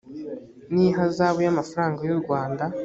n ihazabu y amafaranga y u rwanda